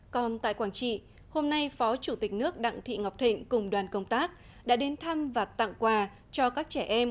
còn tại quảng trị hôm nay phó chủ tịch nước đặng thị ngọc thịnh cùng đoàn công tác đã đến thăm và tặng quà cho các trẻ em